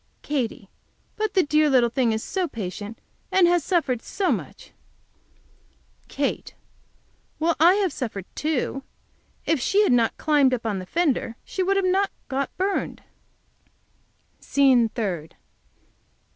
Katy. But the dear little thing is so patient and has suffered so much. Kate. Well, I have suffered, too. If she had not climbed up on the fender she would not have got burned. SCENE THIRD.